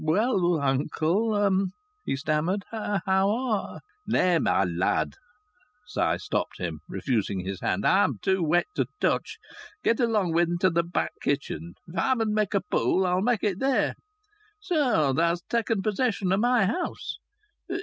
"Well, uncle," he stammered, "how are " "Nay, my lad," Si stopped him, refusing his hand. "I'm too wet to touch. Get along into th' back kitchen. If I mun make a pool I'll make it there. So thou's taken possession o' my house!"